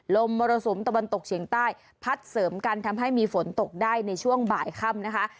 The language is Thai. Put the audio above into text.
มรสุมตะวันตกเฉียงใต้พัดเสริมกันทำให้มีฝนตกได้ในช่วงบ่ายค่ำนะคะ